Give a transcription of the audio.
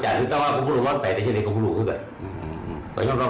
จำนี่ไม่ใช่จริงหรือไม่ธรรม